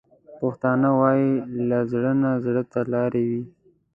پښتانه وايي: له زړه نه زړه ته لارې وي.